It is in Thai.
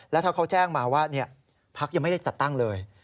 แล้วถ้าเขาแจ้งมาว่าพักยังไม่ได้จัดตั้งเลย